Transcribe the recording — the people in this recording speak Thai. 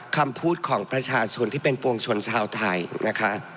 คำพูดของประชาชนที่เป็นปวงชนชาวไทยนะคะ